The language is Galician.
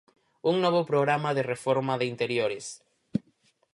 Un novo programa de reforma de interiores.